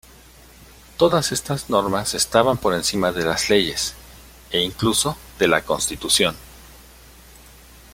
Todas estas normas estaban por encima de las leyes e, incluso, de la Constitución.